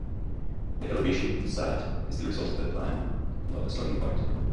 The elevation, facade, is the result of that plan and not the starting point...